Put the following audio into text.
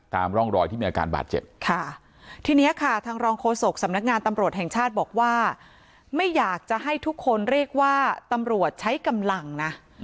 ตามร่องรอยที่มีอาการบาดเจ็บค่ะทีนี้ค่ะทางรองโฆษกสำนักงานตำรวจแห่งชาติบอกว่าไม่อยากจะให้ทุกคนเรียกว่าตำรวจใช้กำลังนะ